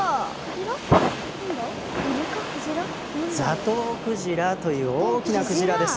ザトウクジラという大きなクジラです。